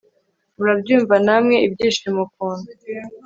murabyumva namwe ibyishimo ukuntu